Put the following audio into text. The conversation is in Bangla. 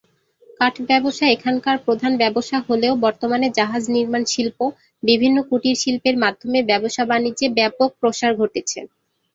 কাঠ ব্যবসা এখানকার প্রধান ব্যবসা হলেও বর্তমানে জাহাজ নির্মাণ শিল্প, বিভিন্ন কুটির শিল্পের মাধ্যমে ব্যবসা-বাণিজ্যে ব্যপক প্রসার ঘটেছে।